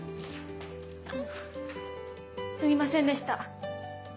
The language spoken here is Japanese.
あのすみませんでした。